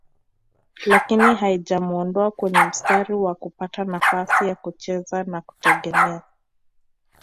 lakini haijamuondoa kwenye mstari wa kupata nafasi ya kucheza na kutegemewa